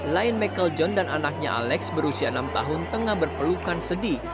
lain michael john dan anaknya alex berusia enam tahun tengah berpelukan sedih